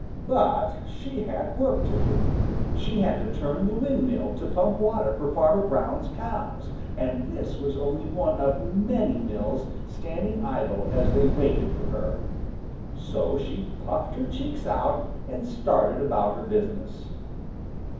But she had work to do. She had to turn the windmill to pump water for Farmer Brown's cows, and this was only one of many mills standing idle as they waited for her. So she puffed her cheeks out and started about her business.